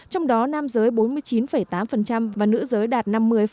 trong đó nam giới bốn mươi chín tám và nữ giới đạt năm mươi